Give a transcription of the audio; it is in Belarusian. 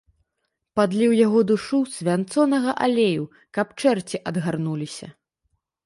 Падлі ў яго душу свянцонага алею, каб чэрці адгарнуліся.